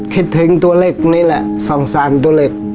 คิดถึงตัวเล็กนี่แหละ๒๓ตัวเล็ก